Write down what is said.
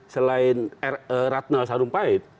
selain ratna sarumpait